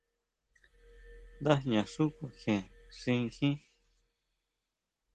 Ndajña xú kuakjien xinkjín.